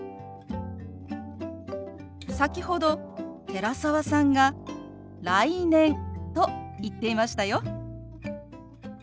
先ほど寺澤さんが「来年」と言っていましたよ。